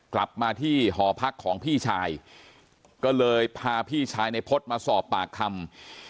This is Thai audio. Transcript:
กลับมาที่หอพักของพี่ชายก็เลยพาพี่ชายในพจน์มาสอบปากคำ